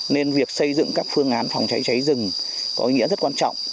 nên việc xây dựng các phương án phòng cháy cháy rừng có ý nghĩa rất quan trọng